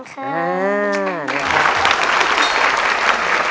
ขอบคุณค่ะ